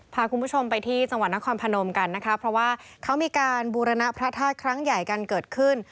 พาคุณผู้ชมไปที่จังหวัดนครพนมกันนะคะเพราะว่าเขามีการบูรณะพระธาตุครั้งใหญ่กันเกิดขึ้น